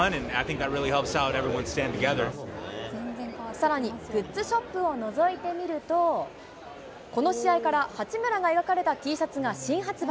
さらに、グッズショップをのぞいてみると、この試合から、八村が描かれたＴシャツが新発売。